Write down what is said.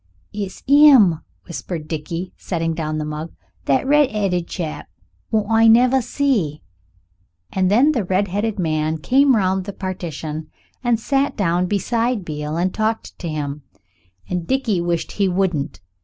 "It's 'im," whispered Dickie, setting down the mug. "That red'eaded chap wot I never see." And then the redheaded man came round the partition and sat down beside Beale and talked to him, and Dickie wished he wouldn't.